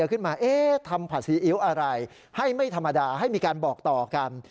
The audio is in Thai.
ขึ้นมาทำผัดซีอิ๊วอะไรให้ไม่ธรรมดาให้มีการบอกต่อกัน